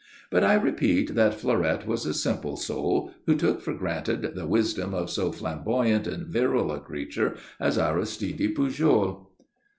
But I repeat that Fleurette was a simple soul who took for granted the wisdom of so flamboyant and virile a creature as Aristide Pujol.